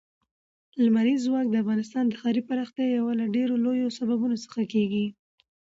لمریز ځواک د افغانستان د ښاري پراختیا یو له ډېرو لویو سببونو څخه کېږي.